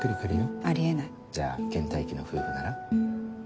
じゃあ倦怠期の夫婦なら。